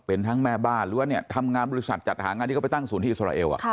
เป็นทั้งแม่บ้านหรือว่าทำงานบริษัทจัดหางานที่เขาไปตั้งศูนย์ที่อิสราเอล